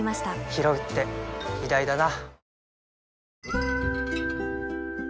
ひろうって偉大だな